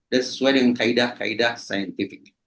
dan sesuai dengan kaedah kaedah saintis